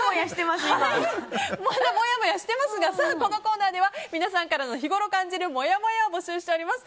まだもやもやしていますがこのコーナーでは皆様が日ごろ感じるもやもやを募集しております。